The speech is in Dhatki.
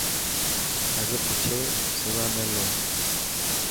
اگھه پوڇي سوانا لي.